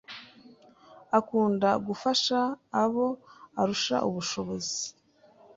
Akunda gufasha abo arusha ubushobozi;